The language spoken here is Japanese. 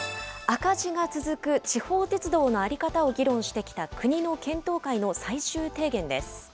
赤字が続く地方鉄道の在り方を議論してきた国の検討会の最終提言